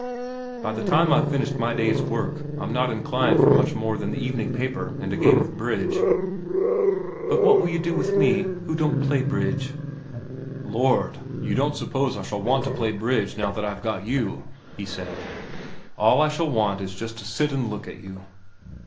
By the time I' ve finished my day's work, I'm not inclined for much more than the evening paper and a game of bridge.' ' But what will you do with me, who don't play bridge ?'' Lord, you don't suppose I shall want to play bridge now that I r ve got you ?' he said. * All I shall want is just to sit and look at you.'